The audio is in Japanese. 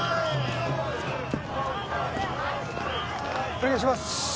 お願いします